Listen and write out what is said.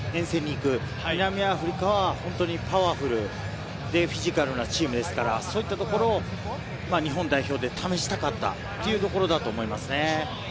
南アフリカは本当にパワフルでフィジカルなチームですから、そういったところを日本代表で試したかったというところだと思いますね。